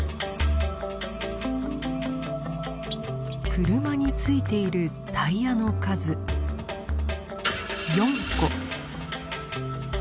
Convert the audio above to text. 車に付いているタイヤの数４個。